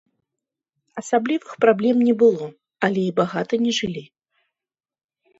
Асаблівых праблем не было, але і багата не жылі.